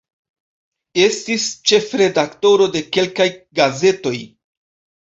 Estis ĉefredaktoro de kelkaj gazetoj.